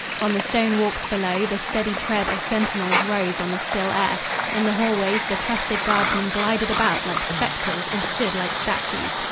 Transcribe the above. On the stone walks below, the steady tread of sentinels rose on the still air; in the hallways the trusted guardsmen glided about like spectres or stood like statues.